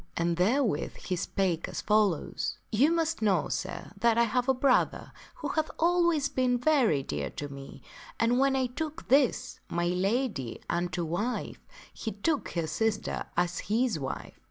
And therewith he spake as follows: " You must know, sir, that I have a brother who hath always been very dear to me, and when I took this, my lady, unto wife, he took her sister as his wife.